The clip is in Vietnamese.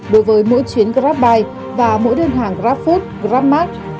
đối với mỗi chuyến grabbuy và mỗi đơn hàng grabfood grabmart